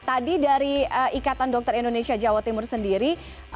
tadi dari ikatan dokter indonesia jawa timur sendiri